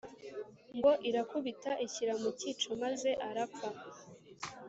ngo irakubita ishyira mu cyico maze arapfa